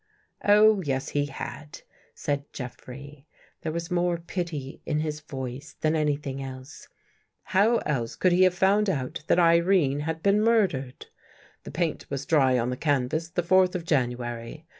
" Oh, yes, he had," said Jeffrey. There was more pity in his voice than anything else. " How else could he have found out that Irene had been mur dered. The paint was dry on the canvas the fourth of January.